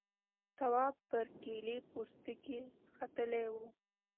تواب پر کيلې پوستکي ختلی و.